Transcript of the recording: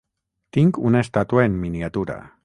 Tinc una estàtua en miniatura.